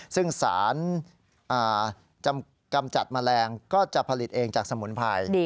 ซึ่งสารกำจัดแมลงก็จะผลิตเองจากสมุนไพร